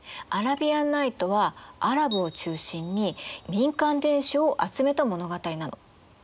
「アラビアンナイト」はアラブを中心に民間伝承を集めた物語なの。